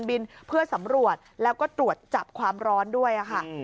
บินเพื่อสำรวจแล้วก็ตรวจจับความร้อนด้วยค่ะ